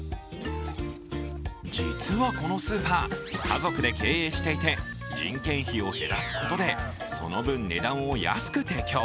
実はこのスーパー、家族で経営していて、人件費を減らすことでその分、値段を安く提供。